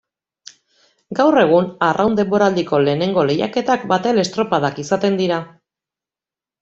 Gaur egun arraun denboraldiko lehenengo lehiaketak batel estropadak izaten dira.